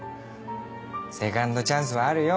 セカンドチャンスはあるよ